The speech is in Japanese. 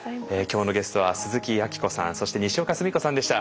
今日のゲストは鈴木明子さんそしてにしおかすみこさんでした。